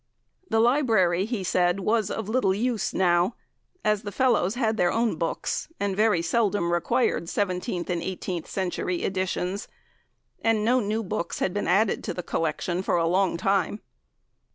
The Library, he said, was of little use now, as the Fellows had their own books and very seldom required 17th and 18th century editions, and no new books had been added to the collection for a long time.